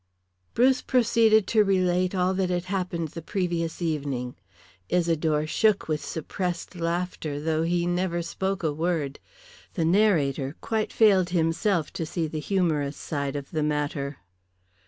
Bruce proceeded to relate all that had happened the previous evening. Isidore shook with suppressed laughter, though he never spoke a word. The narrator quite failed himself to see the humorous side of the matter.